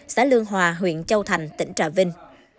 xã lương hòa huyện châu thành tỉnh trà vinh